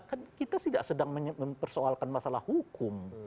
kan kita tidak sedang mempersoalkan masalah hukum